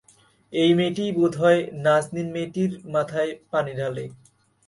এই মেয়েটিই বোধহয় নাজনীন মেয়েটি মাথায় পানি ঢালে।